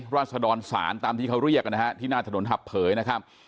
ราศดรศาลตามที่เขาเรียกนะฮะที่หน้าถนนหับเผยนะครับ